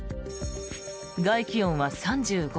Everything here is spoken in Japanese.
外気温は３５度。